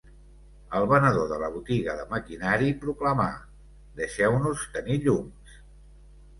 El venedor de la botiga de maquinari proclamà: "Deixeu-nos tenir llums!"